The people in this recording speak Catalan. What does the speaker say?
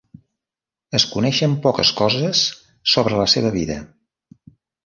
Es coneixen poques coses sobre la seva vida.